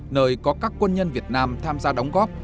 nơi có các quân nhân việt nam tham gia đóng góp